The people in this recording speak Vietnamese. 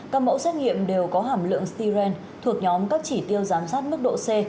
các mẫu xét nghiệm đều có hàm lượng styren thuộc nhóm các chỉ tiêu giám sát mức độ c